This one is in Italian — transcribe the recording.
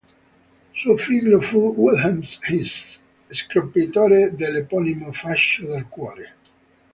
Suo figlio fu Wilhelm His, scopritore del eponimo fascio del cuore.